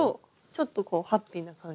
ちょっとハッピーな感じで。